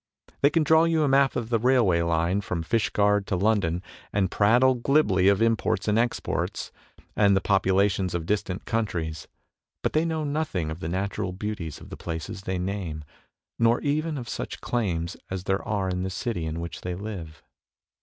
They can draw you a map of the railway line from Fishguard to London, and prattle glibly of imports and exports, and the popu lations of distant countries, but they know nothing of the natural beauties of the places they name, nor even of such claims as there are in the city in which they live.